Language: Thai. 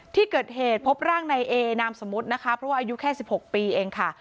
ที่เกิดเหตุพบร่างในเอนามสมมุตินะคะเพราะว่าอายุแค่๑๖ปีเองค่ะ